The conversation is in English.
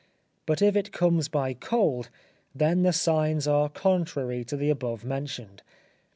But if it comes by cold, then the signs are contrary to the above mentioned.